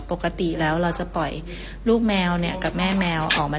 โอ้ตัวใหญ่เบกอ่ะ